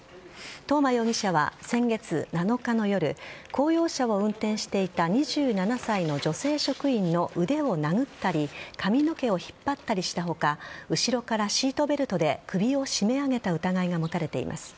東間容疑者は先月７日の夜公用車を運転していた２７歳の女性職員の腕を殴ったり髪の毛を引っ張ったりした他後ろからシートベルトで首を絞め上げた疑いが持たれています。